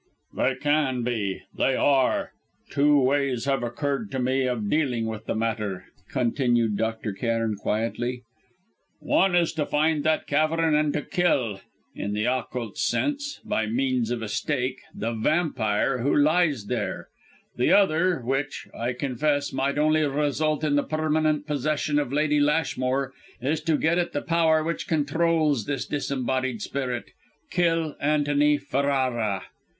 "They can be they are! Two ways have occurred to me of dealing with the matter," continued Dr. Cairn quietly. "One is to find that cavern and to kill, in the occult sense, by means of a stake, the vampire who lies there; the other which, I confess, might only result in the permanent 'possession' of Lady Lashmore is to get at the power which controls this disembodied spirit kill Antony Ferrara!"